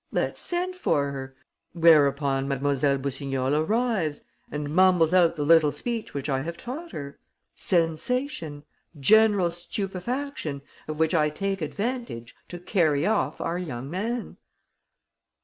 Let's send for her.' Whereupon Mlle. Boussignol arrives and mumbles out the little speech which I have taught her. Sensation! General stupefaction ... of which I take advantage to carry off our young man!"